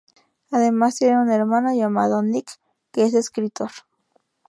Además tiene un hermano llamado Nick, que es escritor.